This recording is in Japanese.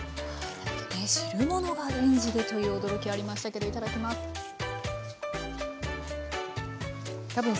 汁物がレンジでという驚きありましたけどいただきます。